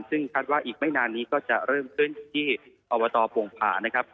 ซึ่งคาดว่าอีกไม่นานนี้ก็จะเริ่มขึ้นที่อบตโป่งผ่านะครับ